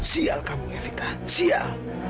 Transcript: sial kamu evita sial